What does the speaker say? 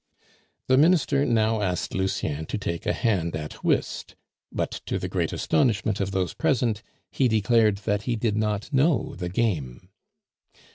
The Minister now asked Lucien to take a hand at whist; but, to the great astonishment of those present, he declared that he did not know the game.